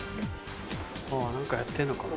何かやってんのかな？